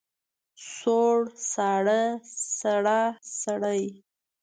سوړ، ساړه، سړه، سړې.